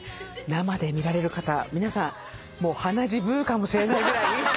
生で見られる方皆さん鼻血ブーかもしれないぐらい